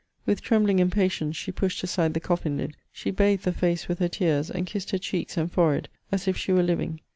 With trembling impatience she pushed aside the coffin lid. She bathed the face with her tears, and kissed her cheeks and forehead, as if she were living.